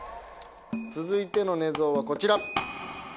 続いての寝相はこちら。